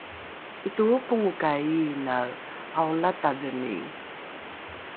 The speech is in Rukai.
’itolropongokai iinae aolatadheni?